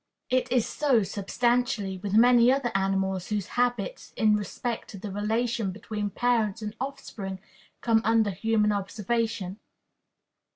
It is so, substantially, with many other animals whose habits in respect to the relation between parents and offspring come under human observation.